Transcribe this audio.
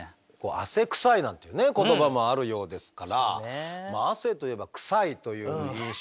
「汗臭い」なんていう言葉もあるようですから汗といえば臭いという印象でね